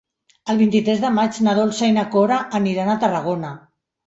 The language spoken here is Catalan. El vint-i-tres de maig na Dolça i na Cora aniran a Tarragona.